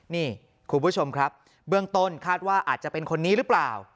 นี่คุณผู้ชมครับเบื้องต้นคาดว่าอาจจะเป็นคนนี้หรือเปล่า